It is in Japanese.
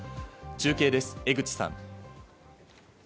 中継です、江口さん。